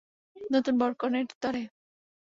নতুন বর-কনের তরে!